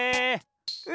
え！